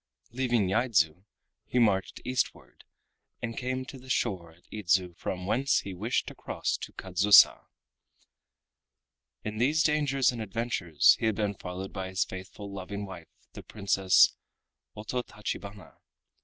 Leaving Yaidzu he marched eastward, and came to the shore at Idzu from whence he wished to cross to Kadzusa. In these dangers and adventures he had been followed by his faithful loving wife the Princess Ototachibana.